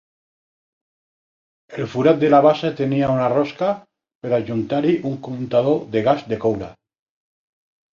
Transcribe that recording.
El forat de la base tenia una rosca per adjuntar-hi un comptador de gas de coure.